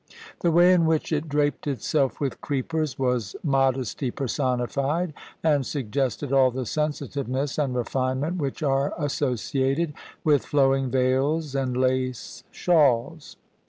The way in which it draped itself with creepers was modesty personified, and suggested all the sensitiveness and refinement which are associated with flowing veils and lace shawls.